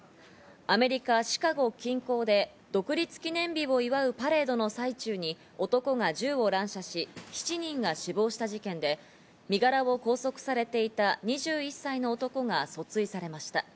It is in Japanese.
アメリカ・シカゴ近郊で独立記念日を祝うパレードの最中に男が銃を乱射し、７人が死亡した事件で身柄を拘束されていた２１歳の男が訴追されました。